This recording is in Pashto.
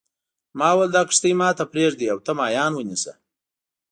ما وویل دا کښتۍ ما ته پرېږده او ته ماهیان ونیسه.